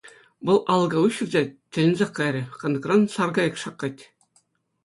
Вӑл алӑка уҫрӗ те тӗлӗнсех кайрӗ: кантӑкран саркайӑк шаккать.